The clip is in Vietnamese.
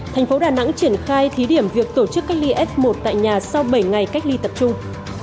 thành phố đà nẵng triển khai thí điểm việc tổ chức cách ly f một tại nhà sau bảy ngày cách ly tập trung